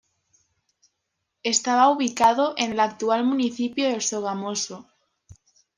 Estaba ubicado en el actual municipio de Sogamoso.